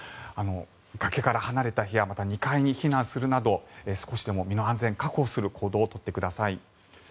崖から離れた部屋また２階に避難するなど少しでも身の安全を確保する行動を取ってください。